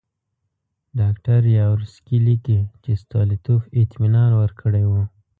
ډاکټر یاورسکي لیکي چې ستولیټوف اطمینان ورکړی وو.